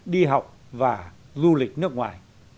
đi học và du lịch nước ngoài